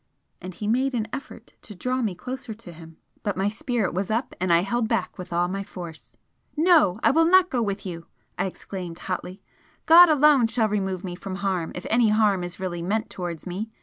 And he made an effort to draw me closer to him but my spirit was up and I held back with all my force. "No, I will not go with you!" I exclaimed, hotly "God alone shall remove me from harm if any harm is really meant towards me.